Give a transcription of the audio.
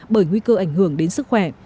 bởi nguy cơ ảnh hưởng đến sức khỏe